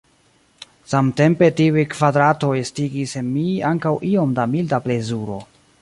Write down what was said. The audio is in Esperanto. Samtempe, tiuj kvadratoj estigis en mi ankaŭ iom da milda plezuro.